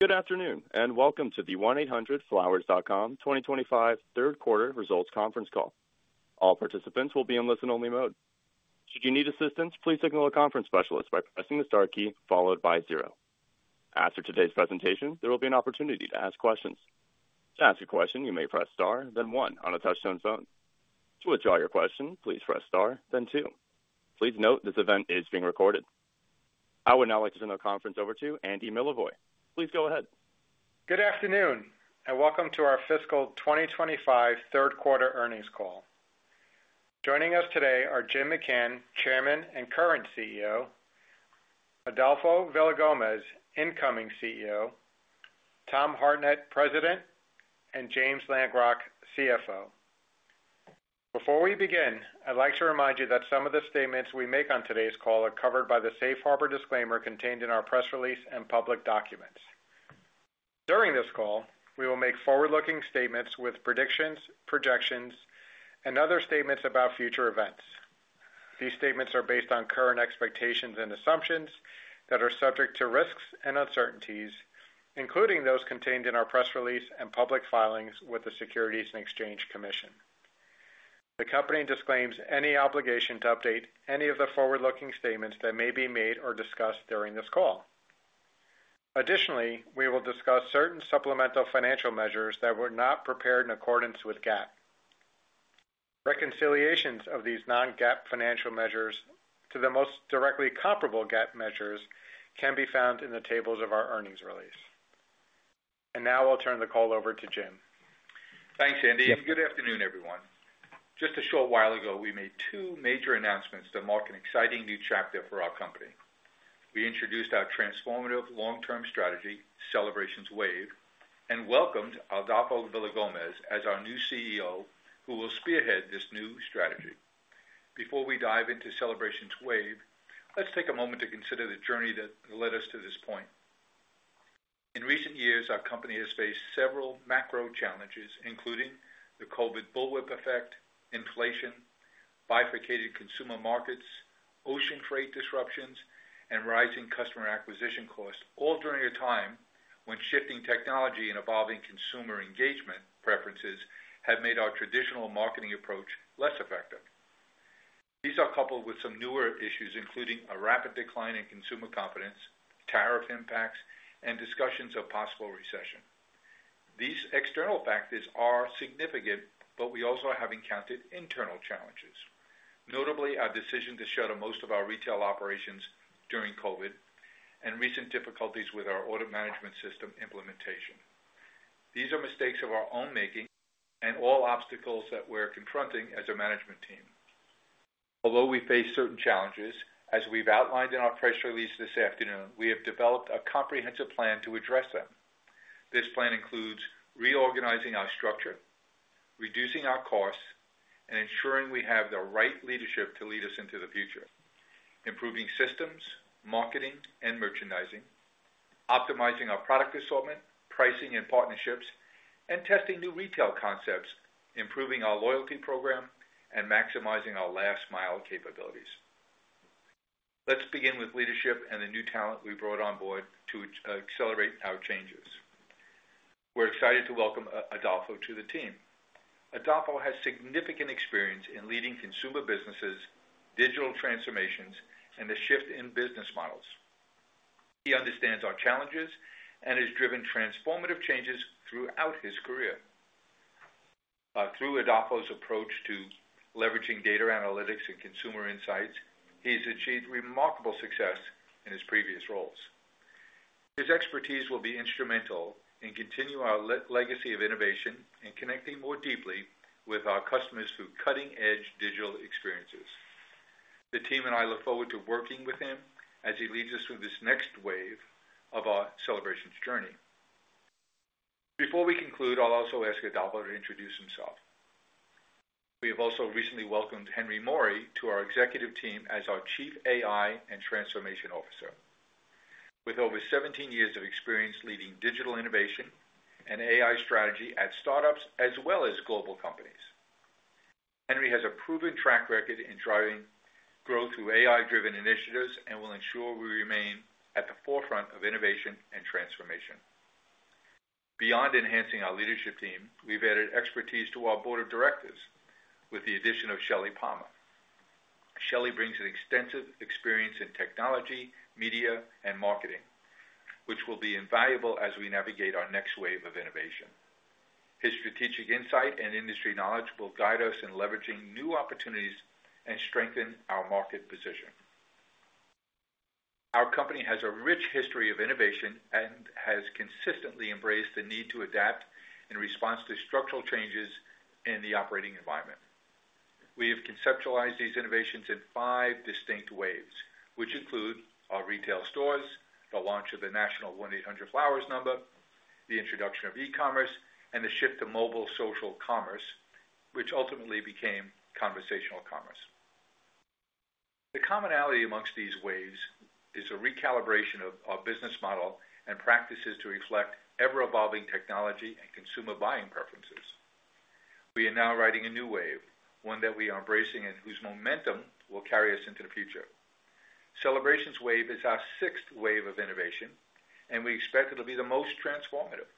Good afternoon, and welcome to the 1-800-FLOWERS.COM 2025 third quarter results conference call. All participants will be in listen-only mode. Should you need assistance, please signal a conference specialist by pressing the star key followed by zero. After today's presentation, there will be an opportunity to ask questions. To ask a question, you may press star then one on a touch-tone phone. To withdraw your question, please press star then two. Please note this event is being recorded. I would now like to turn the conference over to Andy Milevoj. Please go ahead. Good afternoon, and welcome to our fiscal 2025 third quarter earnings call. Joining us today are Jim McCann, Chairman and current CEO; Adolfo Villagomez, incoming CEO; Tom Hartnett, President; and James Langrock, CFO. Before we begin, I'd like to remind you that some of the statements we make on today's call are covered by the safe harbor disclaimer contained in our press release and public documents. During this call, we will make forward-looking statements with predictions, projections, and other statements about future events. These statements are based on current expectations and assumptions that are subject to risks and uncertainties, including those contained in our press release and public filings with the Securities and Exchange Commission. The company disclaims any obligation to update any of the forward-looking statements that may be made or discussed during this call. Additionally, we will discuss certain supplemental financial measures that were not prepared in accordance with GAAP. Reconciliations of these non-GAAP financial measures to the most directly comparable GAAP measures can be found in the tables of our earnings release. Now I'll turn the call over to Jim. Thanks, Andy. Good afternoon, everyone. Just a short while ago, we made two major announcements that mark an exciting new chapter for our company. We introduced our transformative long-term strategy, Celebrations Wave, and welcomed Adolfo Villagomez as our new CEO, who will spearhead this new strategy. Before we dive into Celebrations Wave, let's take a moment to consider the journey that led us to this point. In recent years, our company has faced several macro challenges, including the COVID bullwhip effect, inflation, bifurcated consumer markets, ocean freight disruptions, and rising customer acquisition costs, all during a time when shifting technology and evolving consumer engagement preferences have made our traditional marketing approach less effective. These are coupled with some newer issues, including a rapid decline in consumer confidence, tariff impacts, and discussions of possible recession. These external factors are significant, but we also have encountered internal challenges, notably our decision to shutter most of our retail operations during COVID and recent difficulties with our order management system implementation. These are mistakes of our own making and all obstacles that we're confronting as a management team. Although we face certain challenges, as we've outlined in our press release this afternoon, we have developed a comprehensive plan to address them. This plan includes reorganizing our structure, reducing our costs, and ensuring we have the right leadership to lead us into the future, improving systems, marketing, and merchandising, optimizing our product assortment, pricing and partnerships, and testing new retail concepts, improving our loyalty program, and maximizing our last-mile capabilities. Let's begin with leadership and the new talent we brought on board to accelerate our changes. We're excited to welcome Adolfo to the team. Adolfo has significant experience in leading consumer businesses, digital transformations, and the shift in business models. He understands our challenges and has driven transformative changes throughout his career. Through Adolfo's approach to leveraging data analytics and consumer insights, he has achieved remarkable success in his previous roles. His expertise will be instrumental in continuing our legacy of innovation and connecting more deeply with our customers through cutting-edge digital experiences. The team and I look forward to working with him as he leads us through this next wave of our Celebrations journey. Before we conclude, I'll also ask Adolfo to introduce himself. We have also recently welcomed Henry Mori to our executive team as our Chief AI and Transformation Officer, with over 17 years of experience leading digital innovation and AI strategy at startups as well as global companies. Henry has a proven track record in driving growth through AI-driven initiatives and will ensure we remain at the forefront of innovation and transformation. Beyond enhancing our leadership team, we've added expertise to our board of directors with the addition of Shelley Palmer. Shelley brings an extensive experience in technology, media, and marketing, which will be invaluable as we navigate our next wave of innovation. His strategic insight and industry knowledge will guide us in leveraging new opportunities and strengthen our market position. Our company has a rich history of innovation and has consistently embraced the need to adapt in response to structural changes in the operating environment. We have conceptualized these innovations in five distinct waves, which include our retail stores, the launch of the national 1-800-FLOWERS number, the introduction of e-commerce, and the shift to mobile social commerce, which ultimately became conversational commerce. The commonality amongst these waves is a recalibration of our business model and practices to reflect ever-evolving technology and consumer buying preferences. We are now riding a new wave, one that we are embracing and whose momentum will carry us into the future. Celebrations Wave is our sixth wave of innovation, and we expect it to be the most transformative.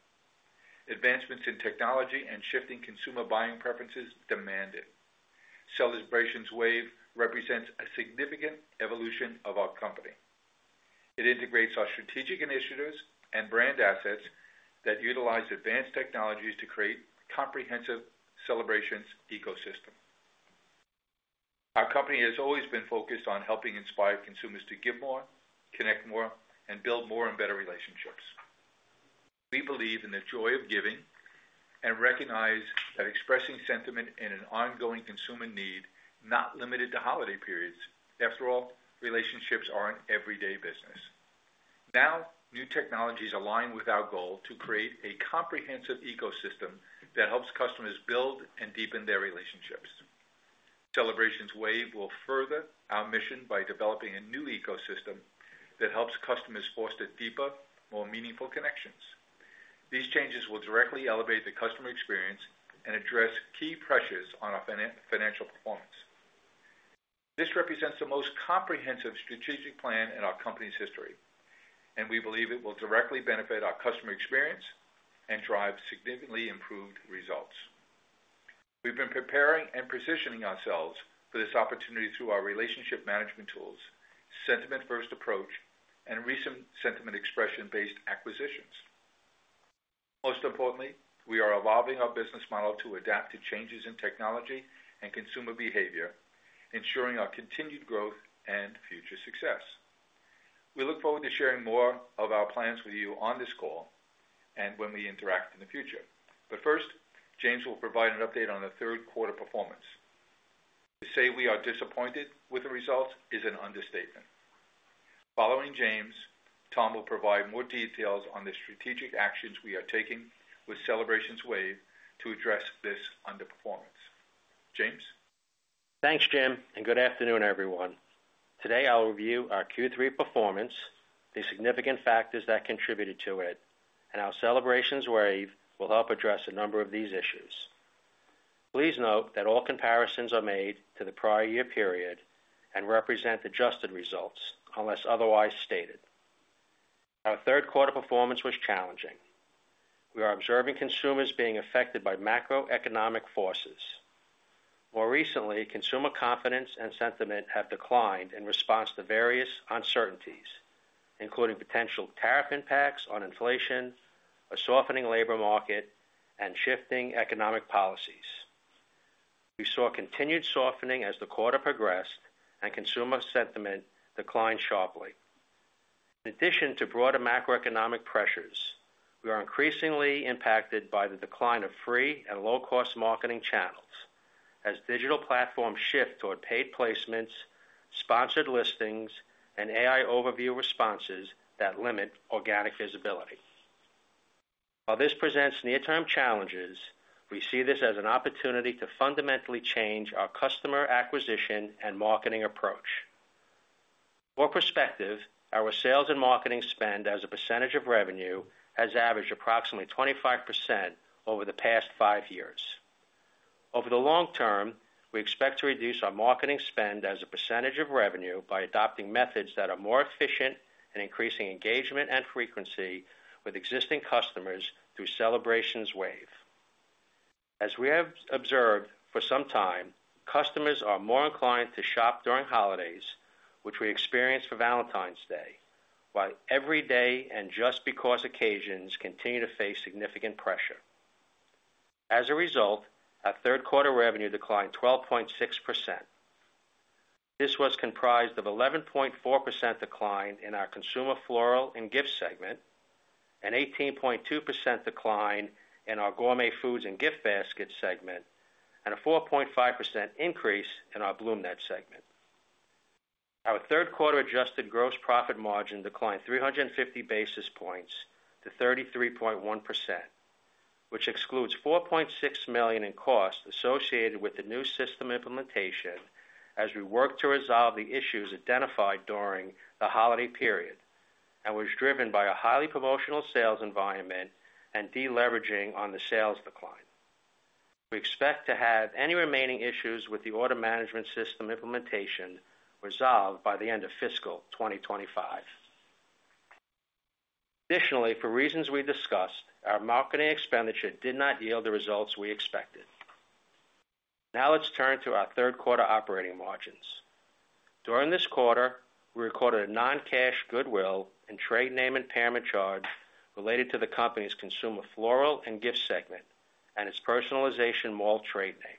Advancements in technology and shifting consumer buying preferences demand it. Celebrations Wave represents a significant evolution of our company. It integrates our strategic initiatives and brand assets that utilize advanced technologies to create a comprehensive celebrations ecosystem. Our company has always been focused on helping inspire consumers to give more, connect more, and build more and better relationships. We believe in the joy of giving and recognize that expressing sentiment and an ongoing consumer need is not limited to holiday periods. After all, relationships are an everyday business. Now, new technologies align with our goal to create a comprehensive ecosystem that helps customers build and deepen their relationships. Celebrations Wave will further our mission by developing a new ecosystem that helps customers foster deeper, more meaningful connections. These changes will directly elevate the customer experience and address key pressures on our financial performance. This represents the most comprehensive strategic plan in our company's history, and we believe it will directly benefit our customer experience and drive significantly improved results. We've been preparing and positioning ourselves for this opportunity through our relationship management tools, sentiment-first approach, and recent sentiment expression-based acquisitions. Most importantly, we are evolving our business model to adapt to changes in technology and consumer behavior, ensuring our continued growth and future success. We look forward to sharing more of our plans with you on this call and when we interact in the future. First, James will provide an update on the third quarter performance. To say we are disappointed with the results is an understatement. Following James, Tom will provide more details on the strategic actions we are taking with Celebrations Wave to address this underperformance. James? Thanks, Jim, and good afternoon, everyone. Today, I'll review our Q3 performance, the significant factors that contributed to it, and how our Celebrations Wave will help address a number of these issues. Please note that all comparisons are made to the prior year period and represent adjusted results unless otherwise stated. Our third quarter performance was challenging. We are observing consumers being affected by macroeconomic forces. More recently, consumer confidence and sentiment have declined in response to various uncertainties, including potential tariff impacts on inflation, a softening labor market, and shifting economic policies. We saw continued softening as the quarter progressed and consumer sentiment declined sharply. In addition to broader macroeconomic pressures, we are increasingly impacted by the decline of free and low-cost marketing channels as digital platforms shift toward paid placements, sponsored listings, and AI overview responses that limit organic visibility. While this presents near-term challenges, we see this as an opportunity to fundamentally change our customer acquisition and marketing approach. For perspective, our sales and marketing spend as a percentage of revenue has averaged approximately 25% over the past five years. Over the long term, we expect to reduce our marketing spend as a percentage of revenue by adopting methods that are more efficient and increasing engagement and frequency with existing customers through Celebrations Wave. As we have observed for some time, customers are more inclined to shop during holidays, which we experienced for Valentine's Day, while every day and just-to-because occasions continue to face significant pressure. As a result, our third quarter revenue declined 12.6%. This was comprised of an 11.4% decline in our consumer floral and gift segment, an 18.2% decline in our gourmet foods and gift basket segment, and a 4.5% increase in our BloomNet segment. Our third quarter adjusted gross profit margin declined 350 basis points to 33.1%, which excludes $4.6 million in costs associated with the new system implementation as we work to resolve the issues identified during the holiday period and was driven by a highly promotional sales environment and deleveraging on the sales decline. We expect to have any remaining issues with the order management system implementation resolved by the end of fiscal 2025. Additionally, for reasons we discussed, our marketing expenditure did not yield the results we expected. Now let's turn to our third quarter operating margins. During this quarter, we recorded a non-cash goodwill and trade name impairment charge related to the company's consumer floral and gift segment and its Personalization Mall trade name.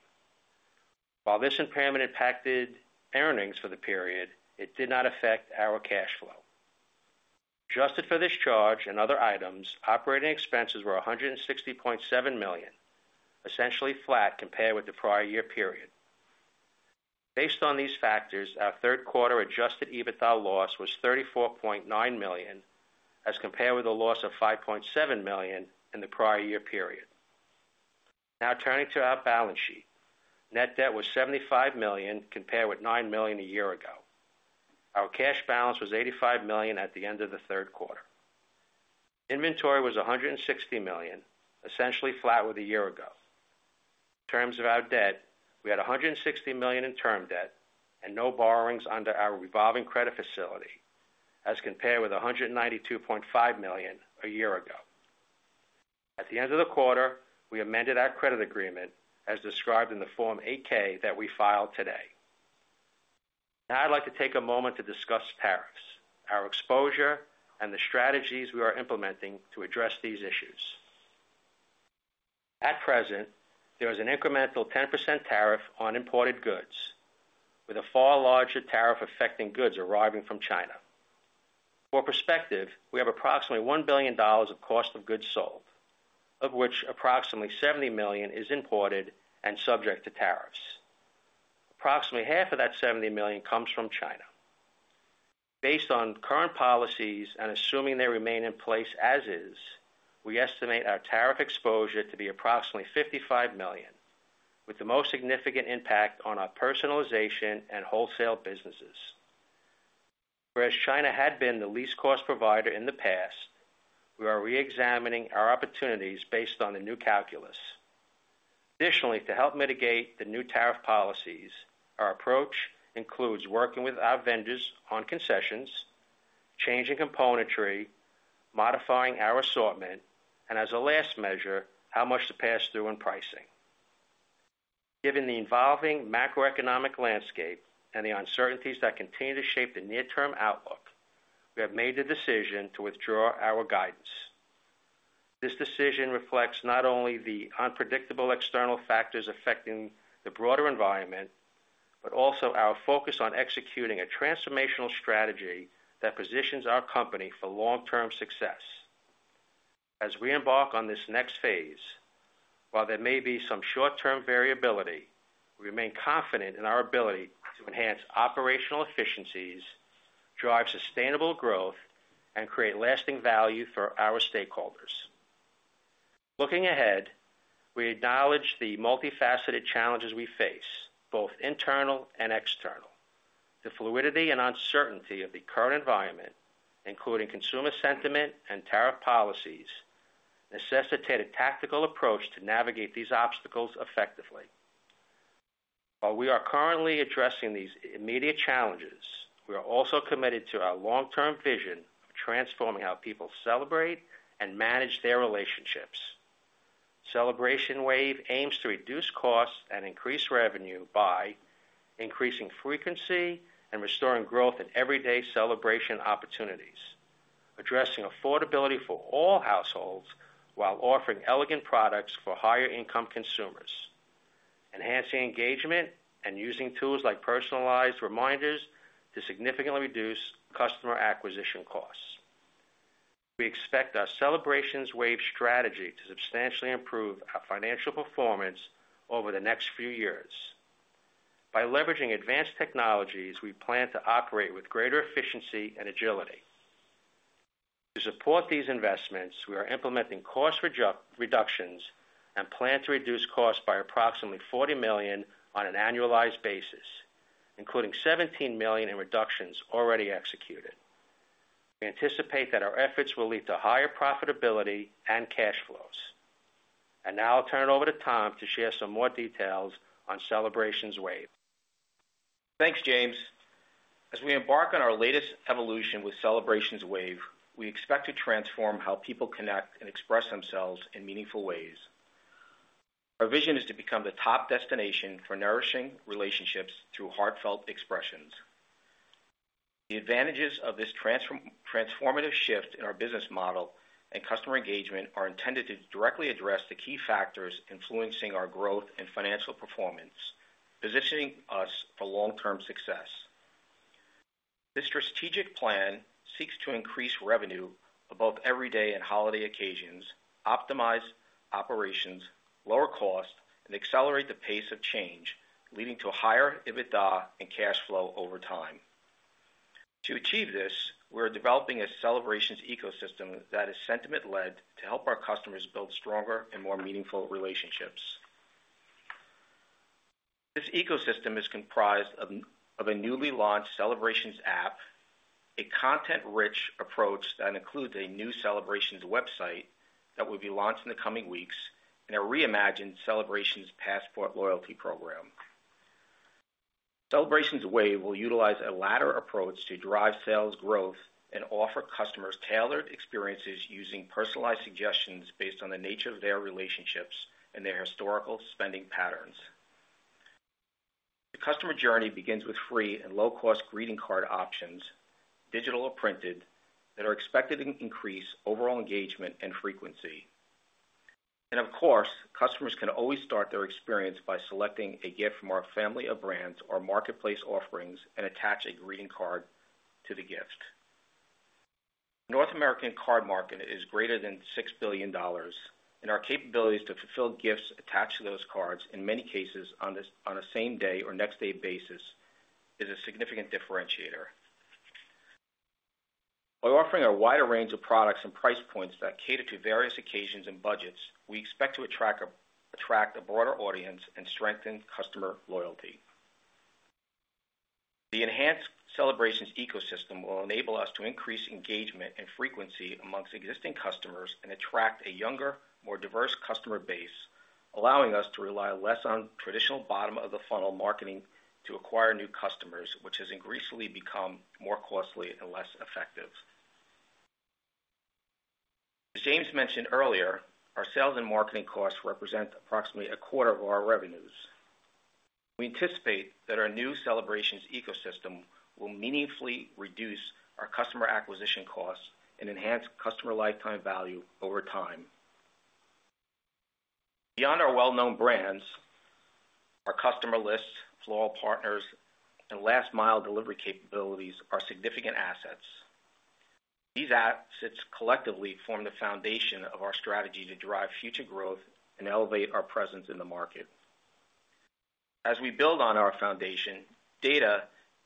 While this impairment impacted earnings for the period, it did not affect our cash flow. Adjusted for this charge and other items, operating expenses were $160.7 million, essentially flat compared with the prior year period. Based on these factors, our third quarter adjusted EBITDA loss was $34.9 million as compared with a loss of $5.7 million in the prior year period. Now turning to our balance sheet, net debt was $75 million compared with $9 million a year ago. Our cash balance was $85 million at the end of the third quarter. Inventory was $160 million, essentially flat with a year ago. In terms of our debt, we had $160 million in term debt and no borrowings under our revolving credit facility as compared with $192.5 million a year ago. At the end of the quarter, we amended our credit agreement as described in the Form 8-K that we filed today. Now I'd like to take a moment to discuss tariffs, our exposure, and the strategies we are implementing to address these issues. At present, there is an incremental 10% tariff on imported goods, with a far larger tariff affecting goods arriving from China. For perspective, we have approximately $1 billion of cost of goods sold, of which approximately $70 million is imported and subject to tariffs. Approximately half of that $70 million comes from China. Based on current policies and assuming they remain in place as is, we estimate our tariff exposure to be approximately $55 million, with the most significant impact on our personalization and wholesale businesses. Whereas China had been the least cost provider in the past, we are re-examining our opportunities based on the new calculus. Additionally, to help mitigate the new tariff policies, our approach includes working with our vendors on concessions, changing componentry, modifying our assortment, and as a last measure, how much to pass through in pricing. Given the evolving macroeconomic landscape and the uncertainties that continue to shape the near-term outlook, we have made the decision to withdraw our guidance. This decision reflects not only the unpredictable external factors affecting the broader environment, but also our focus on executing a transformational strategy that positions our company for long-term success. As we embark on this next phase, while there may be some short-term variability, we remain confident in our ability to enhance operational efficiencies, drive sustainable growth, and create lasting value for our stakeholders. Looking ahead, we acknowledge the multifaceted challenges we face, both internal and external. The fluidity and uncertainty of the current environment, including consumer sentiment and tariff policies, necessitated a tactical approach to navigate these obstacles effectively. While we are currently addressing these immediate challenges, we are also committed to our long-term vision of transforming how people celebrate and manage their relationships. Celebrations Wave aims to reduce costs and increase revenue by increasing frequency and restoring growth in everyday celebration opportunities, addressing affordability for all households while offering elegant products for higher-income consumers, enhancing engagement, and using tools like personalized reminders to significantly reduce customer acquisition costs. We expect our Celebrations Wave strategy to substantially improve our financial performance over the next few years. By leveraging advanced technologies, we plan to operate with greater efficiency and agility. To support these investments, we are implementing cost reductions and plan to reduce costs by approximately $40 million on an annualized basis, including $17 million in reductions already executed. We anticipate that our efforts will lead to higher profitability and cash flows. I will now turn it over to Tom to share some more details on Celebrations Wave. Thanks, James. As we embark on our latest evolution with Celebrations Wave, we expect to transform how people connect and express themselves in meaningful ways. Our vision is to become the top destination for nourishing relationships through heartfelt expressions. The advantages of this transformative shift in our business model and customer engagement are intended to directly address the key factors influencing our growth and financial performance, positioning us for long-term success. This strategic plan seeks to increase revenue on both everyday and holiday occasions, optimize operations, lower costs, and accelerate the pace of change, leading to higher EBITDA and cash flow over time. To achieve this, we are developing a celebrations ecosystem that is sentiment-led to help our customers build stronger and more meaningful relationships. This ecosystem is comprised of a newly launched Celebrations App, a content-rich approach that includes a new Celebrations website that will be launched in the coming weeks, and a reimagined Celebrations Passport loyalty program. Celebrations Wave will utilize a latter approach to drive sales growth and offer customers tailored experiences using personalized suggestions based on the nature of their relationships and their historical spending patterns. The customer journey begins with free and low-cost greeting card options, digital or printed, that are expected to increase overall engagement and frequency. Of course, customers can always start their experience by selecting a gift from our family of brands or marketplace offerings and attach a greeting card to the gift. The North American card market is greater than $6 billion, and our capabilities to fulfill gifts attached to those cards in many cases on a same-day or next-day basis is a significant differentiator. By offering a wider range of products and price points that cater to various occasions and budgets, we expect to attract a broader audience and strengthen customer loyalty. The enhanced celebrations ecosystem will enable us to increase engagement and frequency amongst existing customers and attract a younger, more diverse customer base, allowing us to rely less on traditional bottom-of-the-funnel marketing to acquire new customers, which has increasingly become more costly and less effective. As James mentioned earlier, our sales and marketing costs represent approximately a quarter of our revenues. We anticipate that our new celebrations ecosystem will meaningfully reduce our customer acquisition costs and enhance customer lifetime value over time. Beyond our well-known brands, our customer lists, floral partners, and last-mile delivery capabilities are significant assets. These assets collectively form the foundation of our strategy to drive future growth and elevate our presence in the market. As we build on our foundation, data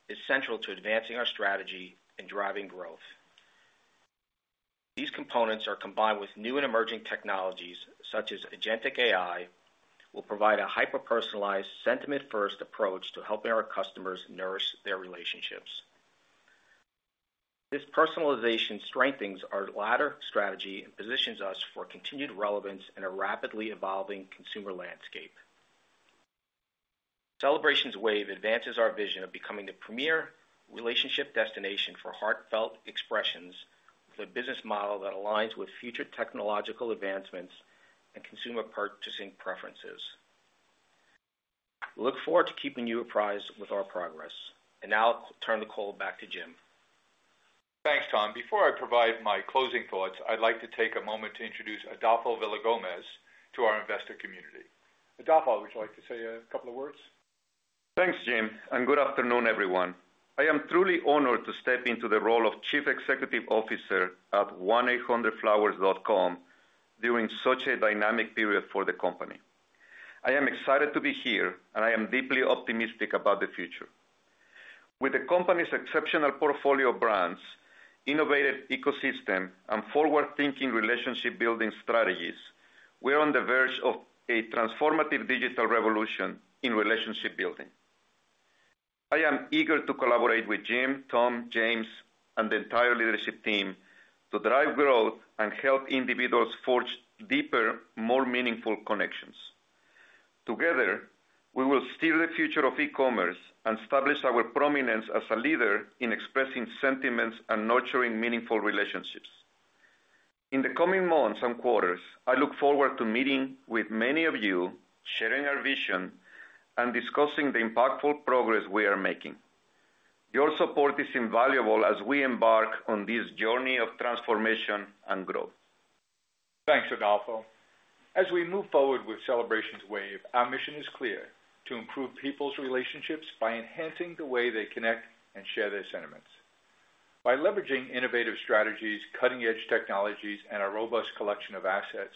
is central to advancing our strategy and driving growth. These components are combined with new and emerging technologies such as agentic AI, which will provide a hyper-personalized, sentiment-first approach to helping our customers nourish their relationships. This personalization strengthens our latter strategy and positions us for continued relevance in a rapidly evolving consumer landscape. Celebrations Wave advances our vision of becoming the premier relationship destination for heartfelt expressions with a business model that aligns with future technological advancements and consumer purchasing preferences. We look forward to keeping you apprised with our progress. I will now turn the call back to Jim. Thanks, Tom. Before I provide my closing thoughts, I'd like to take a moment to introduce Adolfo Villagomez to our investor community. Adolfo, would you like to say a couple of words? Thanks, Jim. Good afternoon, everyone. I am truly honored to step into the role of Chief Executive Officer at 1-800-FLOWERS.COM during such a dynamic period for the company. I am excited to be here, and I am deeply optimistic about the future. With the company's exceptional portfolio of brands, innovative ecosystem, and forward-thinking relationship-building strategies, we are on the verge of a transformative digital revolution in relationship building. I am eager to collaborate with Jim, Tom, James, and the entire leadership team to drive growth and help individuals forge deeper, more meaningful connections. Together, we will steer the future of e-commerce and establish our prominence as a leader in expressing sentiments and nurturing meaningful relationships. In the coming months and quarters, I look forward to meeting with many of you, sharing our vision, and discussing the impactful progress we are making. Your support is invaluable as we embark on this journey of transformation and growth. Thanks, Adolfo. As we move forward with Celebrations Wave, our mission is clear: to improve people's relationships by enhancing the way they connect and share their sentiments. By leveraging innovative strategies, cutting-edge technologies, and a robust collection of assets,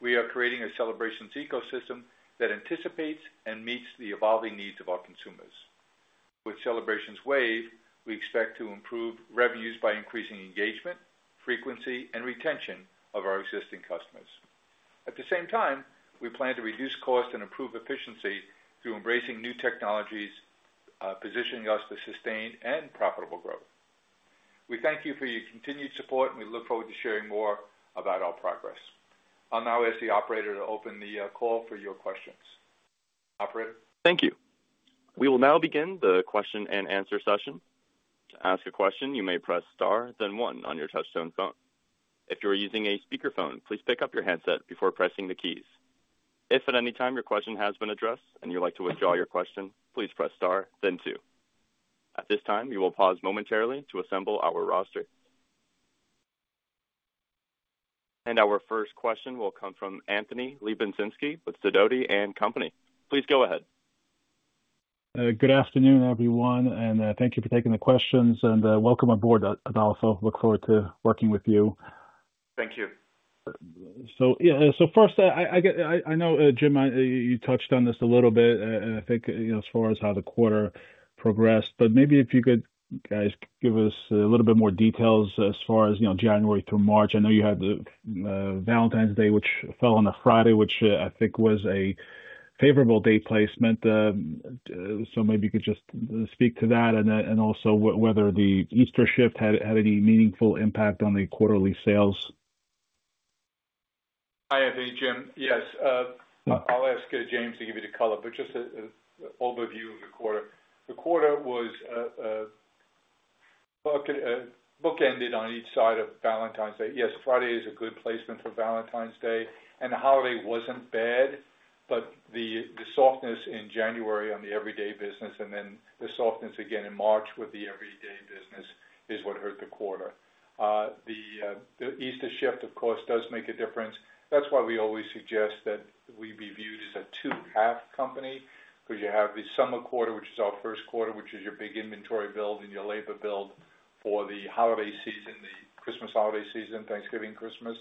we are creating a celebrations ecosystem that anticipates and meets the evolving needs of our consumers. With Celebrations Wave, we expect to improve revenues by increasing engagement, frequency, and retention of our existing customers. At the same time, we plan to reduce costs and improve efficiency through embracing new technologies, positioning us for sustained and profitable growth. We thank you for your continued support, and we look forward to sharing more about our progress. I'll now ask the operator to open the call for your questions. Operator. Thank you. We will now begin the question-and-answer session. To ask a question, you may press star, then one on your touch-tone phone. If you are using a speakerphone, please pick up your handset before pressing the keys. If at any time your question has been addressed and you'd like to withdraw your question, please press star, then two. At this time, we will pause momentarily to assemble our roster. Our first question will come from Anthony Lebiedzinski with Sidoti & Company. Please go ahead. Good afternoon, everyone. Thank you for taking the questions. Welcome aboard, Adolfo. Look forward to working with you. Thank you. Yeah, first, I know, Jim, you touched on this a little bit, I think, as far as how the quarter progressed. Maybe if you could, guys, give us a little bit more details as far as January through March. I know you had Valentine's Day, which fell on a Friday, which I think was a favorable date placement. Maybe you could just speak to that and also whether the Easter shift had any meaningful impact on the quarterly sales. Hi, it's Jim. Yes, I'll ask James to give you the color, but just an overview of the quarter. The quarter was bookended on each side of Valentine's Day. Yes, Friday is a good placement for Valentine's Day. The holiday wasn't bad, but the softness in January on the everyday business and then the softness again in March with the everyday business is what hurt the quarter. The Easter shift, of course, does make a difference. That's why we always suggest that we be viewed as a two-half company because you have the summer quarter, which is our first quarter, which is your big inventory build and your labor build for the holiday season, the Christmas holiday season, Thanksgiving, Christmas.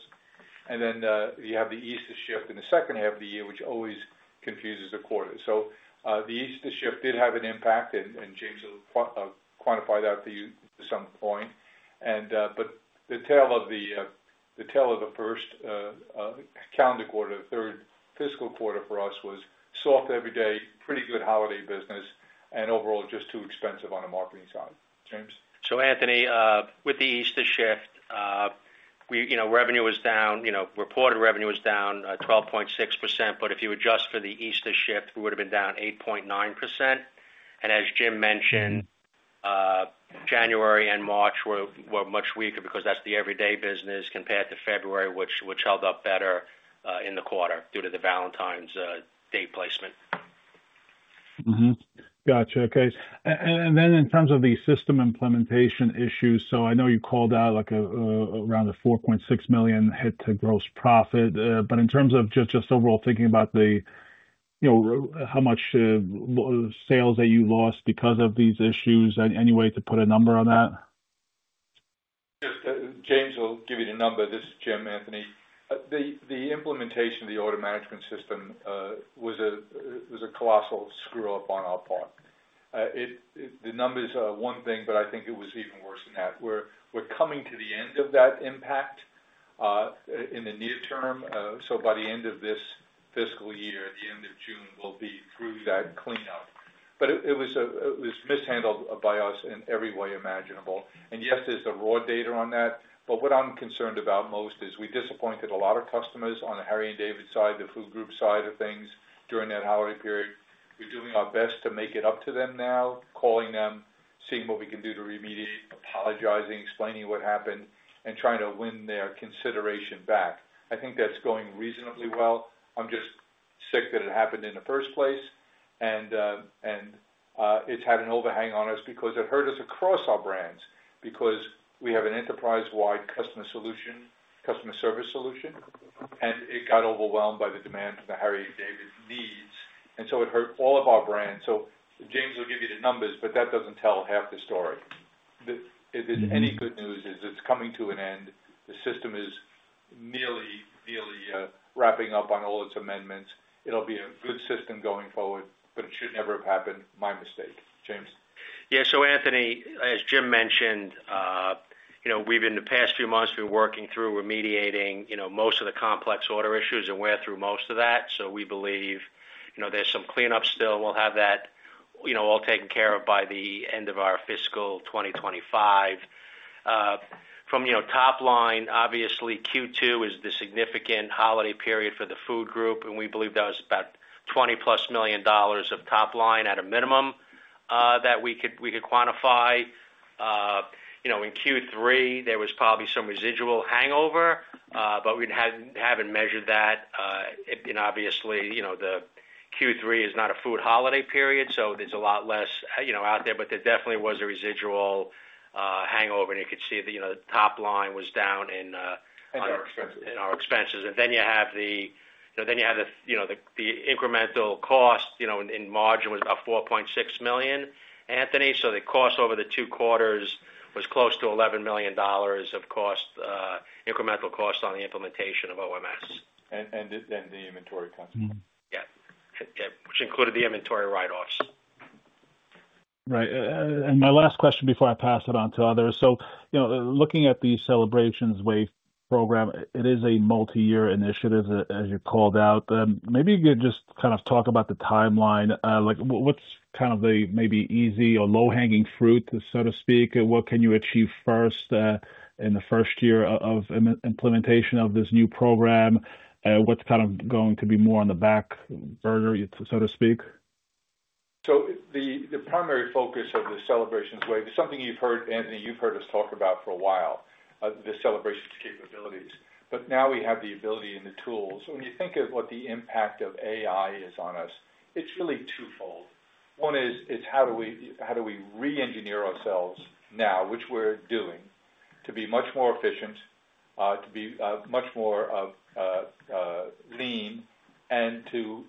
You have the Easter shift in the second half of the year, which always confuses the quarter. The Easter shift did have an impact, and James will quantify that for you at some point. The tale of the first calendar quarter, the third fiscal quarter for us, was soft every day, pretty good holiday business, and overall just too expensive on the marketing side. James? Anthony, with the Easter shift, revenue was down. Reported revenue was down 12.6%. If you adjust for the Easter shift, we would have been down 8.9%. As Jim mentioned, January and March were much weaker because that is the everyday business compared to February, which held up better in the quarter due to the Valentine's Day placement. Gotcha. Okay. In terms of the system implementation issues, I know you called out around the $4.6 million hit to gross profit. In terms of just overall thinking about how much sales that you lost because of these issues, any way to put a number on that? James will give you the number. This is Jim, Anthony. The implementation of the order management system was a colossal screw-up on our part. The numbers are one thing, but I think it was even worse than that. We're coming to the end of that impact in the near term. By the end of this fiscal year, the end of June, we will be through that cleanup. It was mishandled by us in every way imaginable. Yes, there's the raw data on that. What I'm concerned about most is we disappointed a lot of customers on the Harry & David side, the food group side of things during that holiday period. We're doing our best to make it up to them now, calling them, seeing what we can do to remediate, apologizing, explaining what happened, and trying to win their consideration back. I think that's going reasonably well. I'm just sick that it happened in the first place. It's had an overhang on us because it hurt us across our brands because we have an enterprise-wide customer service solution, and it got overwhelmed by the demand for the Harry & David needs. It hurt all of our brands. James will give you the numbers, but that doesn't tell half the story. If there's any good news, it's coming to an end. The system is nearly wrapping up on all its amendments. It'll be a good system going forward, but it should never have happened. My mistake. James? Yeah. So Anthony, as Jim mentioned, we've in the past few months been working through remediating most of the complex order issues, and we're through most of that. We believe there's some cleanup still. We'll have that all taken care of by the end of our fiscal 2025. From top line, obviously, Q2 is the significant holiday period for the food group. We believe that was about $20 million+ of top line at a minimum that we could quantify. In Q3, there was probably some residual hangover, but we haven't measured that. Obviously, Q3 is not a food holiday period, so there's a lot less out there. There definitely was a residual hangover. You could see that the top line was down in. Our expenses. Our expenses. Then you have the incremental cost in margin was about $4.6 million, Anthony. The cost over the two quarters was close to $11 million of incremental cost on the implementation of OMS. The inventory customers. Yeah. Which included the inventory write-offs. My last question before I pass it on to others. Looking at the Celebrations Wave program, it is a multi-year initiative, as you called out. Maybe you could just kind of talk about the timeline. What's kind of the maybe easy or low-hanging fruit, so to speak? What can you achieve first in the first year of implementation of this new program? What's kind of going to be more on the back burner, so to speak? The primary focus of the Celebrations Wave is something you've heard, Anthony, you've heard us talk about for a while, the celebration capabilities. Now we have the ability and the tools. When you think of what the impact of AI is on us, it's really twofold. One is how do we re-engineer ourselves now, which we're doing, to be much more efficient, to be much more lean, and to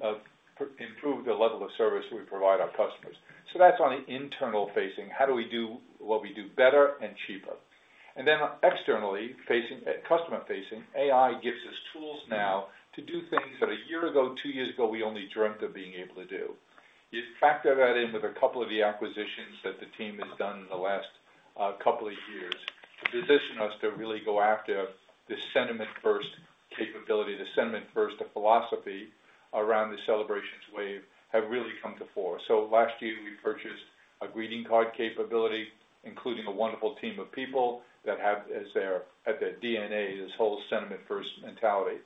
improve the level of service we provide our customers. That's on the internal facing. How do we do what we do better and cheaper? Externally facing, customer facing, AI gives us tools now to do things that a year ago, two years ago, we only dreamt of being able to do. You factor that in with a couple of the acquisitions that the team has done in the last couple of years to position us to really go after the sentiment-first capability, the sentiment-first philosophy around the Celebrations Wave have really come to fore. Last year, we purchased a greeting card capability, including a wonderful team of people that have at their DNA this whole sentiment-first mentality.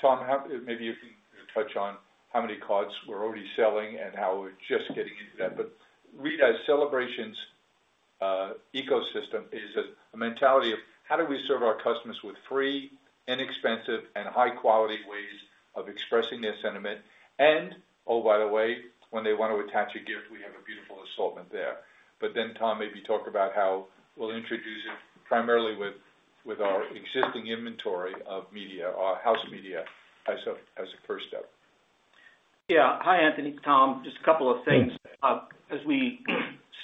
Tom, maybe you can touch on how many cards we are already selling and how we are just getting into that. But really, as Celebrations ecosystem is a mentality of how do we serve our customers with free, inexpensive, and high-quality ways of expressing their sentiment. Oh, by the way, when they want to attach a gift, we have a beautiful assortment there. Tom, maybe talk about how we'll introduce it primarily with our existing inventory of media, our house media, as a first step. Yeah. Hi, Anthony. It's Tom, just a couple of things. As we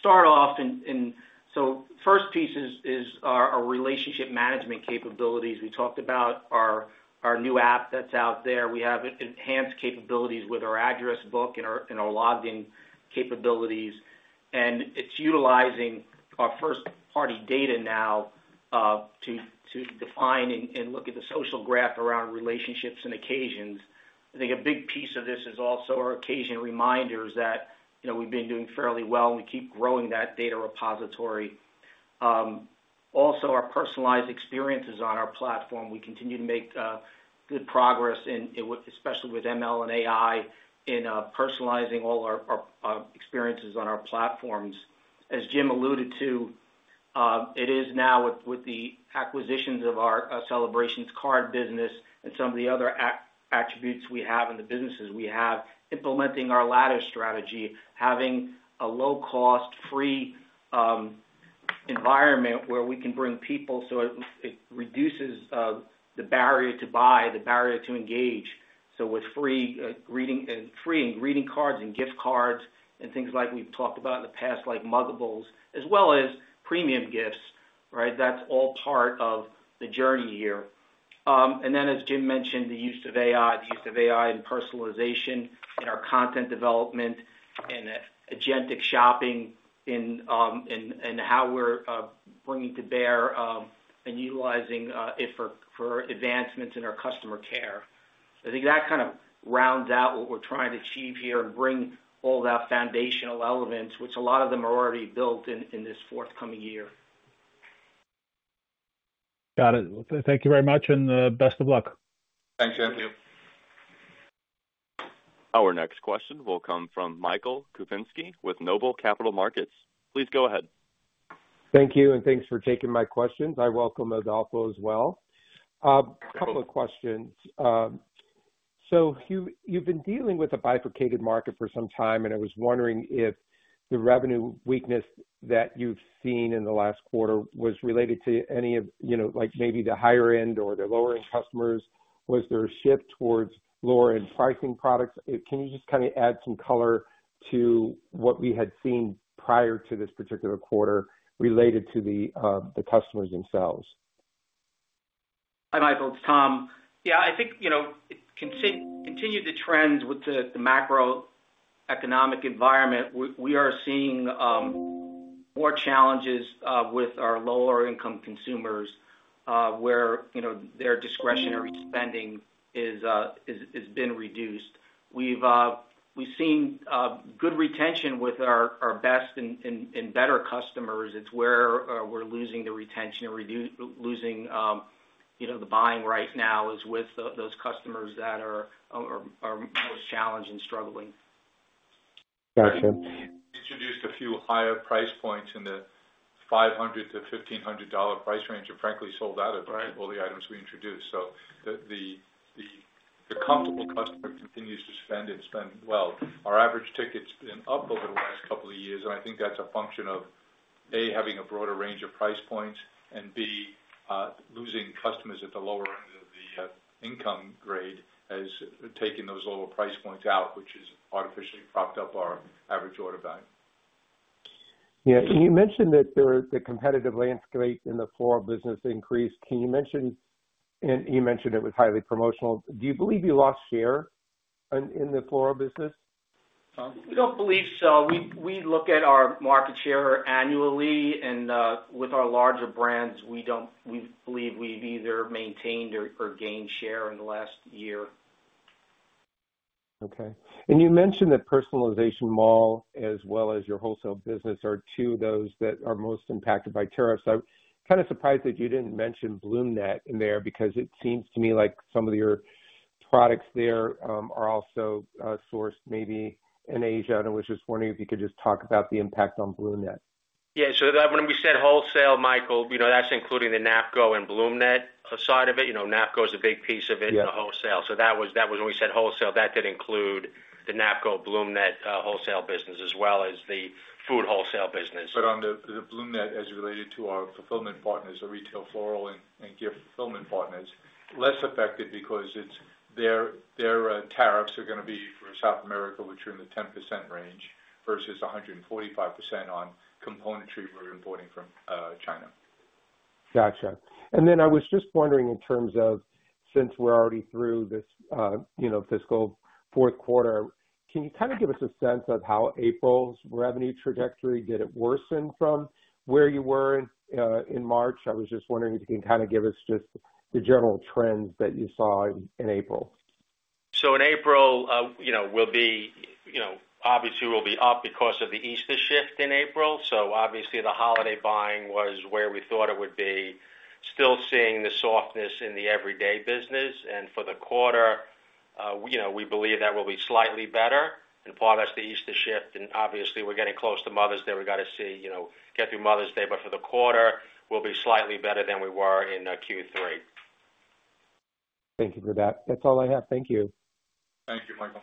start off, first piece is our relationship management capabilities. We talked about our new app that's out there. We have enhanced capabilities with our address book and our logged-in capabilities. It's utilizing our first-party data now to define and look at the social graph around relationships and occasions. I think a big piece of this is also our occasion reminders that we've been doing fairly well, and we keep growing that data repository. Also, our personalized experiences on our platform. We continue to make good progress, especially with ML and AI in personalizing all our experiences on our platforms. As Jim alluded to, it is now with the acquisitions of our Celebrations Card business and some of the other attributes we have and the businesses we have, implementing our ladder strategy, having a low-cost, free environment where we can bring people. It reduces the barrier to buy, the barrier to engage. With free and greeting cards and gift cards and things like we've talked about in the past, like Mugables, as well as premium gifts, right? That's all part of the journey here. As Jim mentioned, the use of AI, the use of AI and personalization in our content development and agentic shopping and how we're bringing to bear and utilizing it for advancements in our customer care. I think that kind of rounds out what we're trying to achieve here and bring all that foundational elements, which a lot of them are already built in this forthcoming year. Got it. Thank you very much, and best of luck. Thank you. Thank you. Our next question will come from Michael Kupinski with Noble Capital Markets. Please go ahead. Thank you, and thanks for taking my questions. I welcome Adolfo as well. A couple of questions. You have been dealing with a bifurcated market for some time, and I was wondering if the revenue weakness that you have seen in the last quarter was related to any of maybe the higher-end or the lower-end customers. Was there a shift towards lower-end pricing products? Can you just kind of add some color to what we had seen prior to this particular quarter related to the customers themselves? Hi, Michael. It's Tom. Yeah, I think continue the trends with the macroeconomic environment. We are seeing more challenges with our lower-income consumers where their discretionary spending has been reduced. We've seen good retention with our best and better customers. It's where we're losing the retention and losing the buying right now is with those customers that are most challenged and struggling. Gotcha. We introduced a few higher price points in the $500-$1,500 price range and frankly sold out of all the items we introduced. The comfortable customer continues to spend and spend well. Our average ticket's been up over the last couple of years, and I think that's a function of, A, having a broader range of price points, and B, losing customers at the lower end of the income grade has taken those lower price points out, which has artificially propped up our average order value. Yeah. You mentioned that the competitive landscape in the floral business increased. You mentioned it was highly promotional. Do you believe you lost share in the floral business? We don't believe so. We look at our market share annually. With our larger brands, we believe we've either maintained or gained share in the last year. Okay. You mentioned that Personalization Mall, as well as your wholesale business, are two of those that are most impacted by tariffs. I'm kind of surprised that you didn't mention BloomNet in there because it seems to me like some of your products there are also sourced maybe in Asia. I was just wondering if you could just talk about the impact on BloomNet. Yeah. When we said wholesale, Michael, that is including the Napco and BloomNet side of it. Napco is a big piece of it in the wholesale. That was when we said wholesale, that did include the Napco, BloomNet wholesale business, as well as the food wholesale business. On the BloomNet, as related to our fulfillment partners, the retail floral and gift fulfillment partners, less affected because their tariffs are going to be for South America, which are in the 10% range versus 145% on componentry we're importing from China. Gotcha. I was just wondering in terms of, since we're already through this fiscal fourth quarter, can you kind of give us a sense of how April's revenue trajectory? Did it worsen from where you were in March? I was just wondering if you can kind of give us just the general trends that you saw in April. In April, obviously, we'll be up because of the Easter shift in April. Obviously, the holiday buying was where we thought it would be, still seeing the softness in the everyday business. For the quarter, we believe that will be slightly better. Part of that's the Easter shift. Obviously, we're getting close to Mother's Day. We've got to get through Mother's Day. For the quarter, we'll be slightly better than we were in Q3. Thank you for that. That's all I have. Thank you. Thank you, Michael.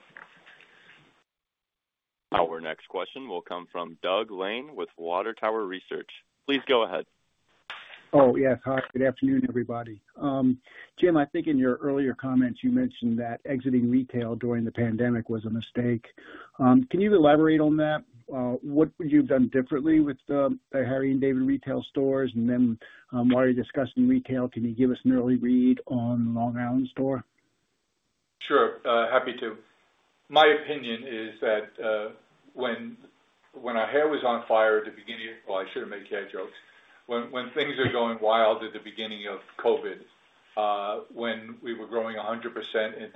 Our next question will come from Doug Lane with Water Tower Research. Please go ahead. Oh, yes. Hi. Good afternoon, everybody. Jim, I think in your earlier comments, you mentioned that exiting retail during the pandemic was a mistake. Can you elaborate on that? What would you have done differently with the Harry & David retail stores? While you're discussing retail, can you give us an early read on the Long Island store? Sure, happy to. My opinion is that when our hair was on fire at the beginning—I should not make hair jokes—when things are going wild at the beginning of COVID, when we were growing 100%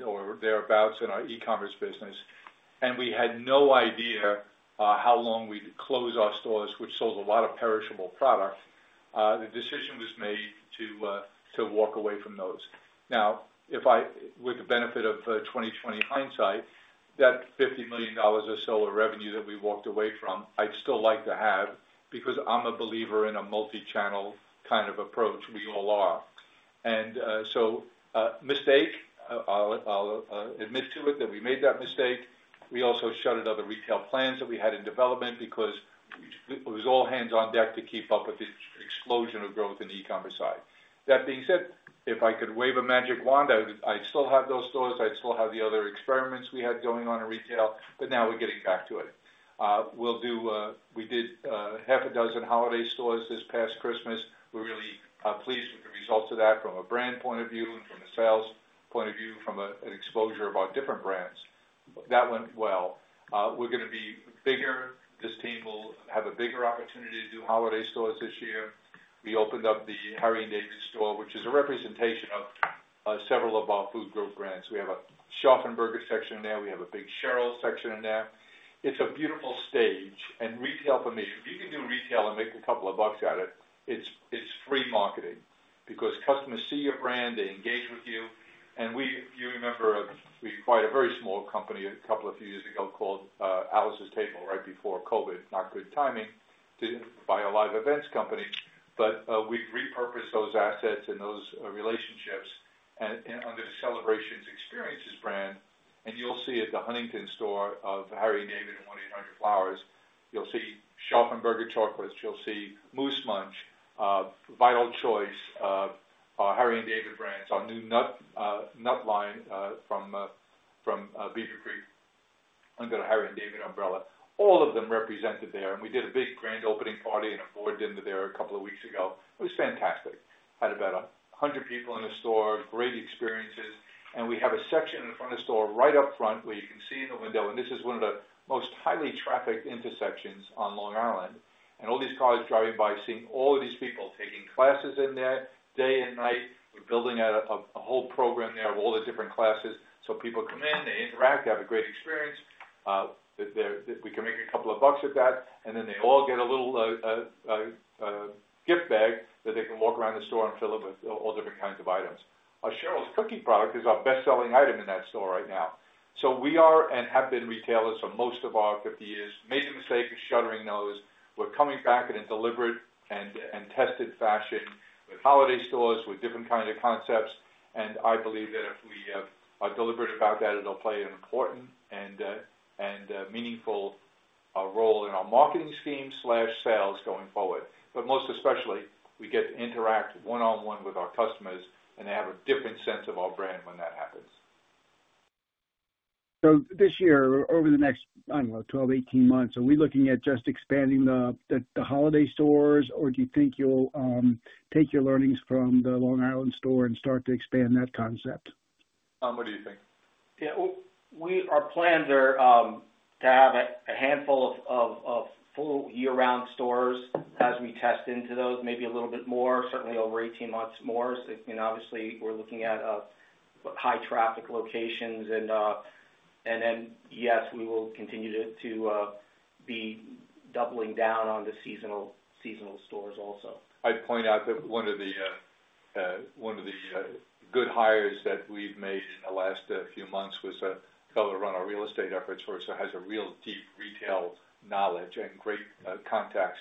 or thereabouts in our e-commerce business, and we had no idea how long we would close our stores, which sold a lot of perishable product, the decision was made to walk away from those. Now, with the benefit of 2020 hindsight, that $50 million or so of revenue that we walked away from, I would still like to have because I am a believer in a multi-channel kind of approach, we all are. Mistake, I will admit to it that we made that mistake. We also shut out the retail plans that we had in development because it was all hands on deck to keep up with the explosion of growth in the e-commerce side. That being said, if I could wave a magic wand, I'd still have those stores. I'd still have the other experiments we had going on in retail. Now we're getting back to it. We did half a dozen holiday stores this past Christmas. We're really pleased with the results of that from a brand point of view and from a sales point of view, from an exposure of our different brands. That went well. We're going to be bigger. This team will have a bigger opportunity to do holiday stores this year. We opened up the Harry & David store, which is a representation of several of our food group brands. We have a Scharffen Berger section in there. We have a big Cheryl's Cookies section in there. It's a beautiful stage. Retail for me, if you can do retail and make a couple of bucks at it, it's free marketing because customers see your brand. They engage with you. You remember we acquired a very small company a couple of years ago called Alice's Table right before COVID—not good timing—to buy a live events company. We have repurposed those assets and those relationships under the Celebrations Experiences brand. You will see at the Huntington store of Harry & David and 1-800-Flowers.com, you will see Scharffen Berger chocolates. You will see Moose Munch, Vital Choice, Harry & David brands, our new nut line from Beaver Creek under the Harry & David umbrella. All of them represented there. We did a big grand opening party and a board dinner there a couple of weeks ago. It was fantastic. Had about 100 people in the store, great experiences. We have a section in front of the store right up front where you can see in the window. This is one of the most highly trafficked intersections on Long Island. All these cars driving by, seeing all of these people taking classes in there day and night. We're building a whole program there of all the different classes. People come in, they interact, they have a great experience. We can make a couple of bucks at that. They all get a little gift bag that they can walk around the store and fill it with all different kinds of items. Cheryl's Cookies product is our best-selling item in that store right now. We are and have been retailers for most of our 50 years. Made the mistake of shuttering those. We're coming back in a deliberate and tested fashion with holiday stores with different kinds of concepts. I believe that if we are deliberate about that, it'll play an important and meaningful role in our marketing scheme/sales going forward. Most especially, we get to interact one-on-one with our customers, and they have a different sense of our brand when that happens. This year, over the next, I don't know, 12-18 months, are we looking at just expanding the holiday stores, or do you think you'll take your learnings from the Long Island store and start to expand that concept? Tom, what do you think? Yeah. Our plans are to have a handful of full year-round stores as we test into those, maybe a little bit more, certainly over 18 months more. Obviously, we're looking at high-traffic locations. Yes, we will continue to be doubling down on the seasonal stores also. I'd point out that one of the good hires that we've made in the last few months was a fellow running our real estate efforts for us that has a real deep retail knowledge and great contacts.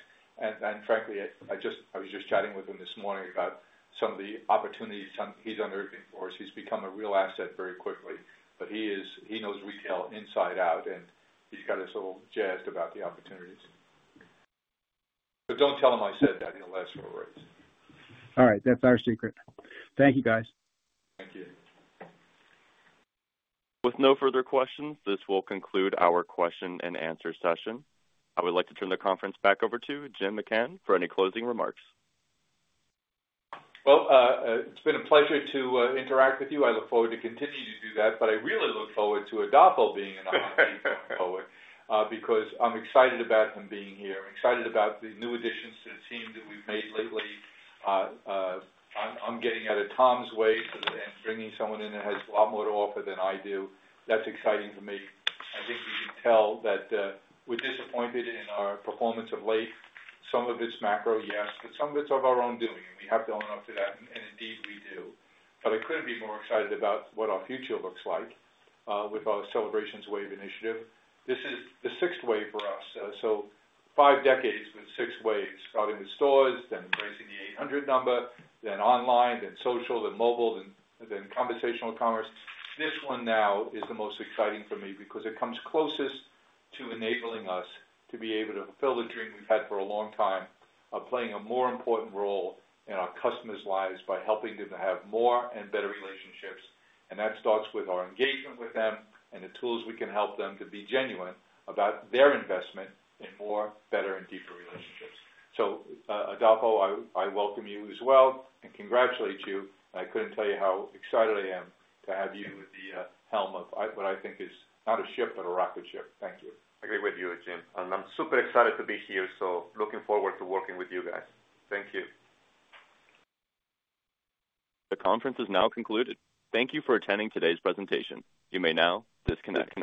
Frankly, I was just chatting with him this morning about some of the opportunities he's unearthing for us. He's become a real asset very quickly. He knows retail inside out, and he's got us all jazzed about the opportunities. Don't tell him I said that. He'll ask for a raise. All right. That's our secret. Thank you, guys. Thank you. With no further questions, this will conclude our question-and-answer session. I would like to turn the conference back over to Jim McCann for any closing remarks. It has been a pleasure to interact with you. I look forward to continuing to do that. I really look forward to Adolfo being in our e-commerce store because I am excited about him being here. I am excited about the new additions to the team that we have made lately. I am getting out of Tom's way and bringing someone in that has a lot more to offer than I do. That is exciting for me. I think you can tell that we are disappointed in our performance of late. Some of it is macro, yes, but some of it is of our own doing. We have to own up to that. Indeed, we do. I could not be more excited about what our future looks like with our Celebrations Wave initiative. This is the sixth wave for us. Five decades with six waves: starting with stores, then raising the 800 number, then online, then social, then mobile, then conversational commerce. This one now is the most exciting for me because it comes closest to enabling us to be able to fulfill the dream we've had for a long time of playing a more important role in our customers' lives by helping them to have more and better relationships. That starts with our engagement with them and the tools we can help them to be genuine about their investment in more, better, and deeper relationships. Adolfo, I welcome you as well and congratulate you. I couldn't tell you how excited I am to have you at the helm of what I think is not a ship but a rocket ship. Thank you. I agree with you, Jim. I'm super excited to be here. Looking forward to working with you guys. Thank you. The conference is now concluded. Thank you for attending today's presentation. You may now disconnect.